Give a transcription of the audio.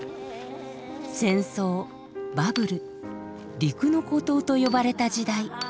戦争バブル陸の孤島と呼ばれた時代。